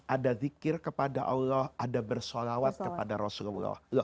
ada zikir kepada allah ada bersolawat kepada rasulullah